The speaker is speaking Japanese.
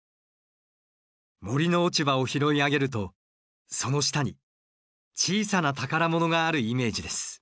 森の落ち葉を拾い上げるとその下に小さな宝物があるイメージです。